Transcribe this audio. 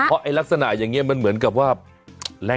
เพราะแอล็กสนาอย่างเงี้ยมันเหมือนกับว่า